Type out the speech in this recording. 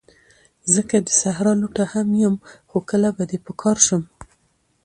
زه که د صحرا لوټه هم یم، خو کله به دي په کار شم